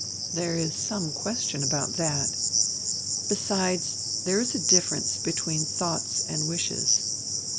"There is some question about that. Besides, there is a difference between dioughts and wishes.